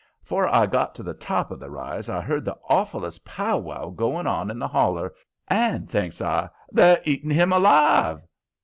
Afore I got to the top of the rise I heard the awfullest powwow going on in the holler, and thinks I: "THEY'RE EATING HIM ALIVE!"